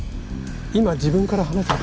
今自分から話せば。